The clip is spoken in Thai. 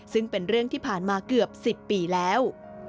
ซึ่งเป็นเรื่องที่ผ่านมาเกือบ๑๐ปีแล้ว